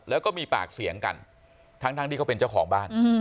แล้วก็มีปากเสียงกันทั้งที่เขาเป็นเจ้าของบ้าน